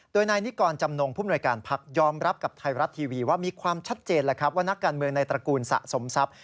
โดยนายนิกรจำนงผู้มนวยการพักยอมรับกับไทยรัฐทีวีว่ามีความชัดเจนแล้วครับว่านักการเมืองในตระกูลสะสมทรัพย์